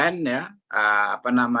jadi ini dianggap kaya gini